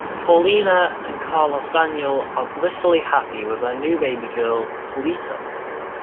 Paulina and Carlos Daniel are blissfully happy with their new baby girl, Paulita.